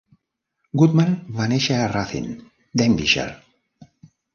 Goodman va néixer a Ruthin, Denbighshire.